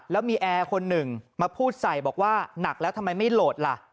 แล้วมีแอร์คนหนึ่งมาพูดใส่บอกว่าหนักแล้วทำไมไม่โหลดล่ะ